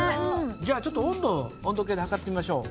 じゃあちょっと温度を温度計で測ってみましょう。